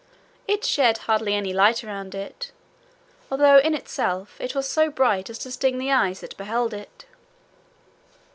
It shed hardly any light around it, although in itself it was so bright as to sting the eyes that beheld it.